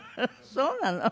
そうなの？